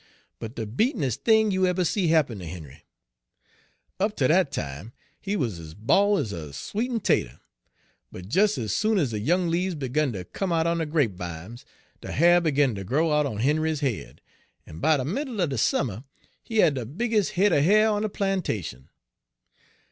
But de beatenes' thing you eber see happen ter Henry. Up ter dat time he wuz ez ball ez a sweeten' 'tater, but des ez soon ez de young leaves begun ter come out on de grapevimes, de ha'r begun ter grow out on Henry's head, en by de middle er de summer he had de bigges' head er ha'r on de plantation.